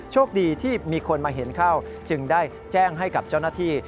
โชคดีที่มีคนมาเห็นเข้าจึงได้แจ้งให้กับเจ้าหน้าที่